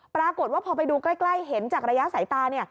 ปรากฏว่าพอไปดูใกล้เห็นจากระยะสายตา